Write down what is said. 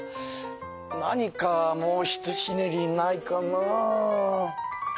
何かもう一ひねりないかなあ。